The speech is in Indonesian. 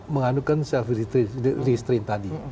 mengandungkan self restraint tadi